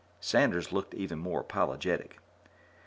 Sanders looked even more apologetic.